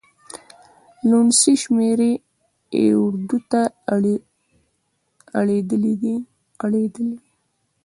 لوڼسې شمېرې اردو ته اړېدلي.